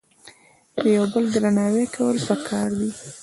د یو بل درناوی کول په کار دي